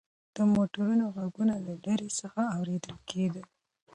د موټرو غږونه له لرې څخه اورېدل کېدل.